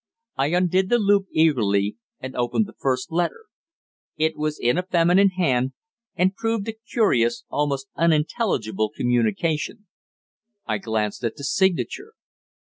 I undid the loop eagerly, and opened the first letter. It was in a feminine hand, and proved a curious, almost unintelligible communication. I glanced at the signature.